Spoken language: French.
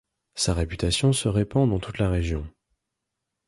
Sa réputation se répand dans toute la région.